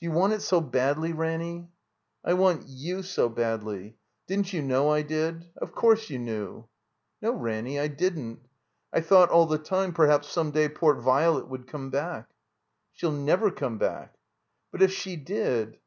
"D'you want it so badly, Ranny?" "I want you so badly. Didn't you know I did? Of cotirse you knew." "No, Ranny, I didn't. I thought all the time perhaps some day poor Virelet would come back." "She'll never come back." "But, if she did?